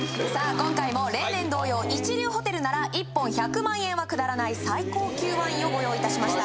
今回も例年同様一流ホテルなら１本１００万円は下らない最高級ワインをご用意いたしました